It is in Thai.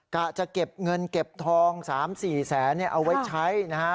กะจะเก็บเงินเก็บทอง๓๔แสนเอาไว้ใช้นะฮะ